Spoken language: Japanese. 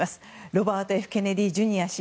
ロバート・Ｆ・ケネディ・ジュニア氏。